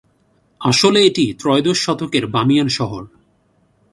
আসলে এটি ত্রয়োদশ শতকের বামিয়ান শহর।